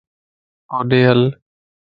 ھوڏي ھل